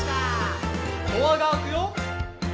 「ドアが開くよ」